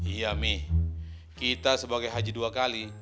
iya nih kita sebagai haji dua kali